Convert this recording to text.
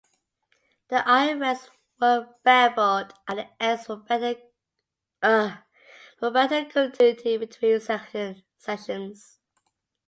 The iron rails were beveled at the ends for better continuity between sections.